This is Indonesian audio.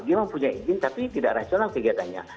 dia memang punya izin tapi tidak rasional kegiatannya